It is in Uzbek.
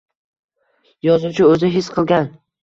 Yozuvchi o’zi his qilgan